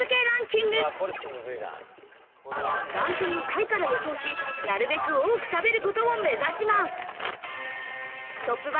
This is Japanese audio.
ランキング下位から予想し、なるべく多く食べることを目指し